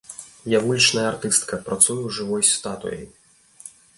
Я вулічная артыстка, працую жывой статуяй.